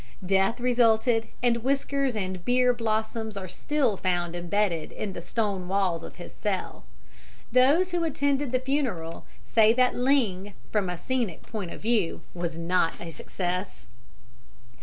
Death resulted, and whiskers and beer blossoms are still found embedded in the stone walls of his cell. Those who attended the funeral say that Ling from a scenic point of view was not a success.